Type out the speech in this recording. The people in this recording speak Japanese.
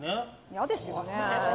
嫌ですよね。